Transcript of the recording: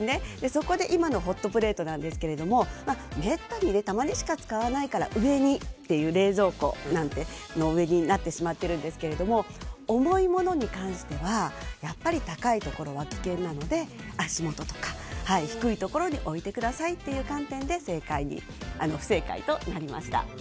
そこで今のホットプレートですがめったに、たまにしか使わないから、冷蔵庫の上となってしまっているんですが重いものに関してはやっぱり高いところは危険なので足元とか低いところに置いてくださいという観点で不適切となりました。